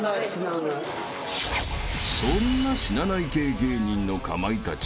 ［そんな死なない系芸人のかまいたち］